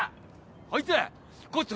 こいつ！